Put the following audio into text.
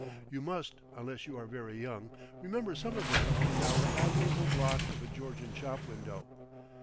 You must, unless you are very young, remember some of them and our admirable block of a Georgian shop window.